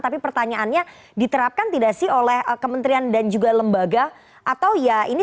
tapi pertanyaannya diterapkan tidak sih oleh kementerian dan juga lembaga atau ya ini